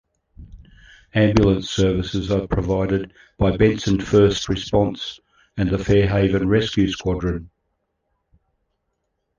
Ambulance services are provided by Benson First Response and the Fair Haven Rescue Squadron.